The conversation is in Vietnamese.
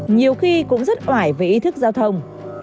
nhiều khi cũng rất oải về ý thức giao thông